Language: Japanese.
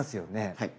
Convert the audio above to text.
はい。